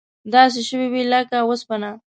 داسې شوي وې لکه وسپنه.